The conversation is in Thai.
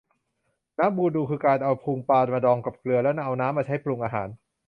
น้ำบูดู คือการเอาพุงปลามาดองกับเกลือ แล้วเอาน้ำมาใช้ปรุงอาหาร